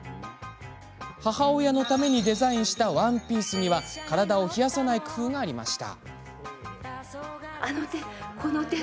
母親のためにデザインしたワンピースには体を冷やさない工夫がありました。